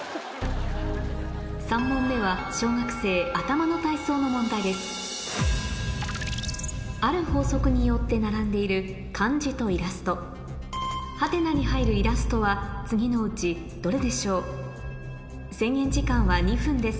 ３問目は小学生頭の体操の問題ですある法則によって並んでいる漢字とイラスト制限時間は２分です